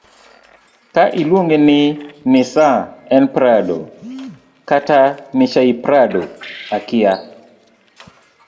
ka iluonge ni nisaa en prado kata nishaiprado akia